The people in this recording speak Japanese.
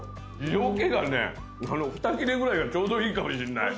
塩気がね２切れぐらいがちょうどいいかもしんない。